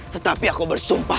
tetapi aku bersumpah